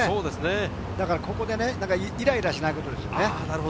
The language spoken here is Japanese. だからここでイライラしないことです。